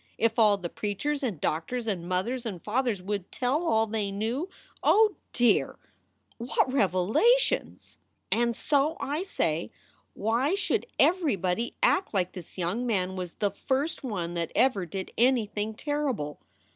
If all the preachers and doctors and mothers and fathers would tell all they knew oh dear, what revelations! "And so I say, why should everybody act like this young man was the first one that ever did anything terrible